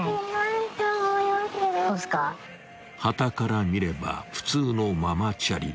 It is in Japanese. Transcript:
［はたから見れば普通のママチャリ］